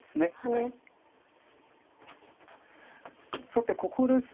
さてここです。